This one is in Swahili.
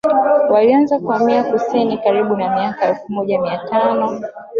Walianza kuhamia kusini karibu na miaka ya elfu moja mia tano